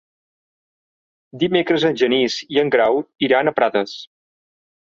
Dimecres en Genís i en Grau iran a Prades.